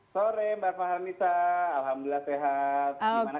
sore mbak fahamita alhamdulillah sehat